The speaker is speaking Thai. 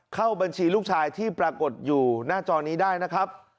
เข้าบัญชีลูกชายที่ปรากฏอยู่หน้าจอนี้ได้นะครับ